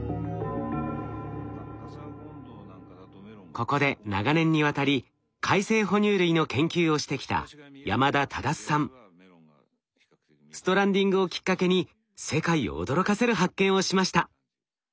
ここで長年にわたり海棲哺乳類の研究をしてきたストランディングをきっかけに世界を驚かせる発見をしました。